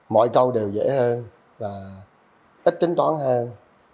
mọi câu đều dễ hơn và ít tính toán hơn